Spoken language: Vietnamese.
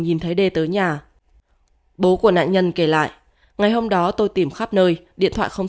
nhìn thấy đê tới nhà bố của nạn nhân kể lại ngày hôm đó tôi tìm khắp nơi điện thoại không